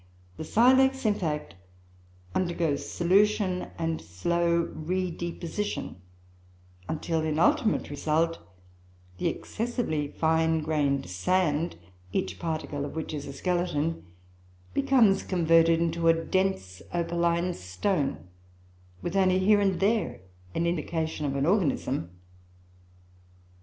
The silex, in fact, undergoes solution and slow redeposition, until, in ultimate result, the excessively fine grained sand, each particle of which is a skeleton, becomes converted into a dense opaline stone, with only here and there an indication of an organism.